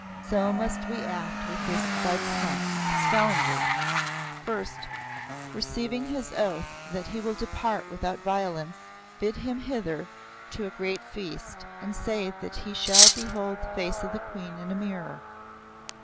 So must we act with this budmash [scoundrel]. First, receiving his oath that he will depart without violence, hid him hither to a great feast, and say that he shall behold the face of the Queen in a mirror.